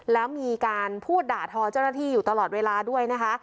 แล้วมีการพูดด่าทอเจ้าหน้าที่อยู่ตลอดเวลาด้วยนะคะ